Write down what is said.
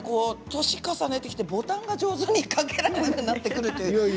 年を重ねてボタンが上手に掛けられなくなってくるという。